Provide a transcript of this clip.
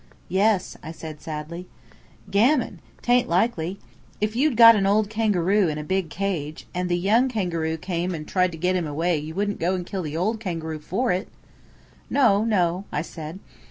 "Yes," I said sadly. "Gammon! 'tain't likely. If you'd got an old kangaroo in a big cage, and the young kangaroo came and tried to get him away you wouldn't go and kill the old kangaroo for it?" "No, no," I said.